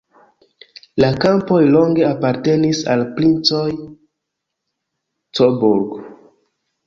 La kampoj longe apartenis al princoj Coburg.